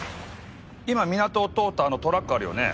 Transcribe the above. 今港を通ったあのトラックあるよね。